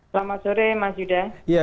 selamat sore mas yudha